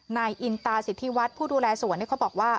นายอินตาสิทธิวัฒน์ผู้ดูแลสวนเขาบอกว่า